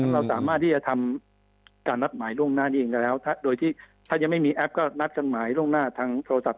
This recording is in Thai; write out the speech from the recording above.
เราสามารถที่จะทำการนัดหมายล่วงหน้านี้เองได้แล้วโดยที่ถ้ายังไม่มีแอปก็นัดจดหมายล่วงหน้าทางโทรศัพ